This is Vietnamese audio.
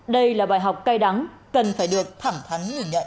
đây là bài học cay đắng cần phải được thẳng thắn nhìn nhận